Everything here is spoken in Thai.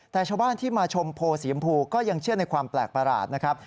แต่ชาวบ้านที่มาชมโพสีชมพูก็ยังเชื่อในความแปลกประหลาดนะครับ